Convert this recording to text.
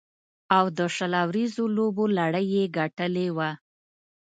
او د شل اوریزو لوبو لړۍ یې ګټلې وه.